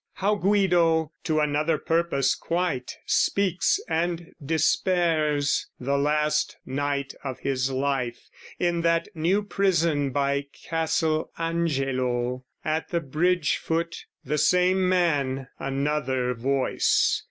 How Guido, to another purpose quite, Speaks and despairs, the last night of his life, In that New Prison by Castle Angelo At the bridge foot: the same man, another voice.